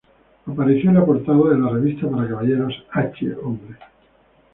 Apareció en la portada de la revista para caballeros "H hombres".